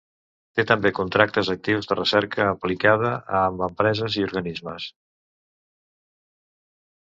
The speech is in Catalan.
Té també contractes actius de recerca aplicada amb empreses i organismes.